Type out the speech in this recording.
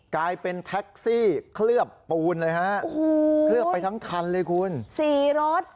กลายเป็นแท็กซี่เคลือบปูนเลยฮะเคลือบไปทั้งคันเลยคุณสี่รถ